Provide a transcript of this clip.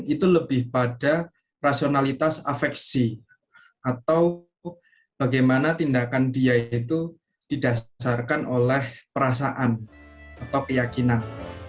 itu lebih pada rasionalitas afeksi atau bagaimana tindakan dia itu didasarkan oleh perasaan atau keyakinan